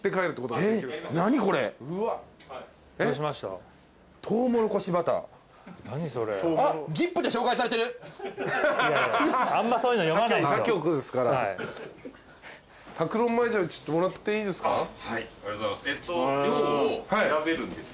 ありがとうございます。